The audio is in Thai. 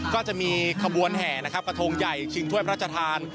ก็จะมีขบวนแห่กระทงใหญ่ชิงท่วยพระราชทาน